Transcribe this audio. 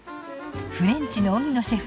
フレンチの荻野シェフ